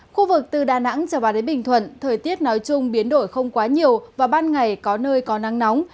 khu vực từ đà nẵng trở vào đến bình thuận thời tiết nói chung biến đổi không quá nhiều và ban ngày có nơi có nắng nóng